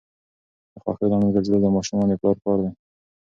د خوښۍ لامل ګرځیدل د ماشومانو د پلار کار دی.